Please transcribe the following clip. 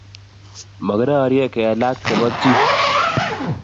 Makirorie kelat chebo chi.